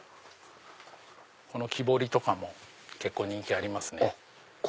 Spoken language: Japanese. この木彫りとかも結構人気ありますね。